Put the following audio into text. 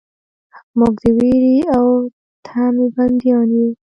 موږ د ویرې او طمعې بندیان یو.